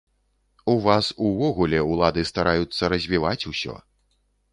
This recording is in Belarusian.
У вас увогуле ўлады стараюцца развіваць ўсё.